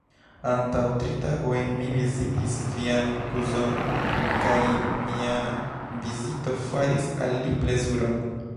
Antaŭ tri tagoj mi vizitis vian kuzon kaj mia vizito faris al li plezuron.